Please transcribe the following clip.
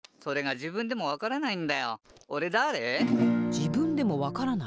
じぶんでもわからない？